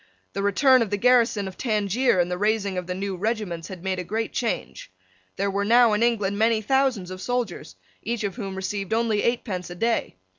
The return of the garrison of Tangier and the raising of the new regiments had made a great change. There were now in England many thousands of soldiers, each of whom received only eightpence a day.